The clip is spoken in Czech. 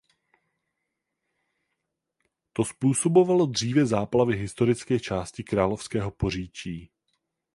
To způsobovalo dříve záplavy historické části Královského Poříčí.